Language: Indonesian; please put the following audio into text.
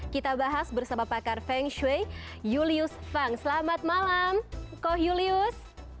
kita bahas bersama pakar feng shui julius feng selamat malam koh julius